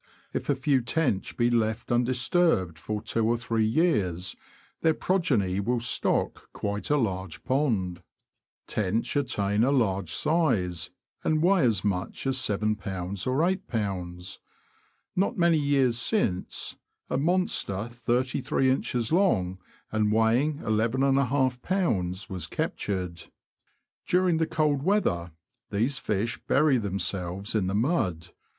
If a few tench be left undisturbed for two or three years, their progeny will stock quite a large pond. Tench attain a large size, and weigh as much as ylb. or 8lb. Not many years since, a mon ster, 33in. long, and weighing ii^lb., was captured. During the cold weather, these fish bury themselves in the mud.